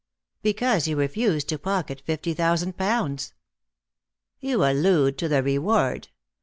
"Because you refuse to pocket fifty thousand pounds." "You allude to the reward.